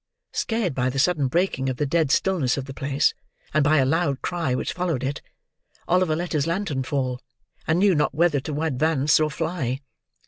Scared by the sudden breaking of the dead stillness of the place, and by a loud cry which followed it, Oliver let his lantern fall, and knew not whether to advance or fly.